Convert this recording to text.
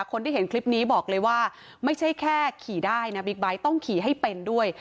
คนที่เห็นคลิปนี้บอกเลยว่าไม่ใช่แค่ขี่ได้นะบิ๊กไบท์ต้องขี่ให้เป็นด้วย